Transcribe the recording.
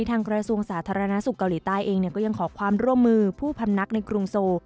กระทรวงสาธารณสุขเกาหลีใต้เองก็ยังขอความร่วมมือผู้พำนักในกรุงโซ